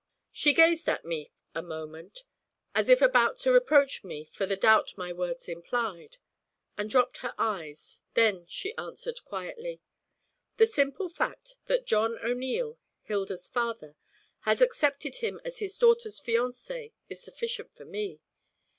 She gazed at me a moment, as if about to reproach me for the doubt my words implied, and dropped her eyes. Then she answered quietly: 'The simple fact that John O'Neil, Hilda's father, has accepted him as his daughter's fiancé is sufficient for me.